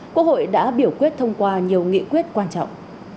quốc hội đã biểu quyết thông qua nhiều nghị quyết quan trọng